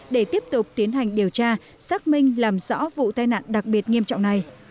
để tiếp tục tiến hành điều tra xác minh làm rõ vụ tai nạn đặc biệt nghiêm trọng này